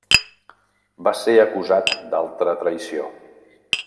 Va ser acusat d'alta traïció.